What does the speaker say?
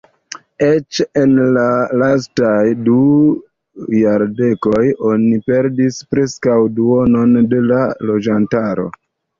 Eĉ en la lastaj du jardekoj oni perdis preskaŭ duonon de la loĝantaro.